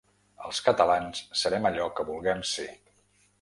Els catalans serem allò que vulguem ser.